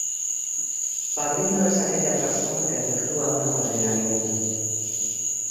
Padrino es aquella persona que efectúa un apadrinamiento.